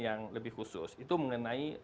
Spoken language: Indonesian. yang lebih khusus itu mengenai